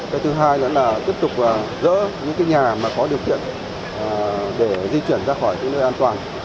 cái thứ hai là tiếp tục rỡ những nhà có điều kiện để di chuyển ra khỏi nơi an toàn